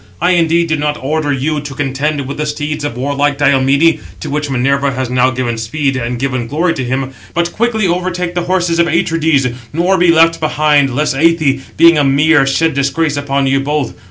I indeed do not order you to contend with the steeds of warlike Diomede, to which Minerva has now given speed, and given glory to him; but quickly overtake the horses of Atrides, nor be left behind, lest Æthe, being a mare, shed disgrace upon you both.